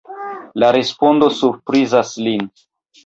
La respondo surprizas lin.